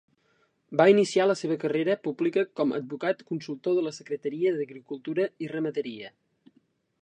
Va iniciar la seva carrera pública com advocat consultor de la Secretaria d'Agricultura i Ramaderia.